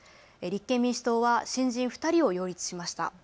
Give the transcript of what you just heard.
立憲民主党は新人２人を擁立しました。